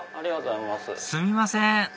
すみません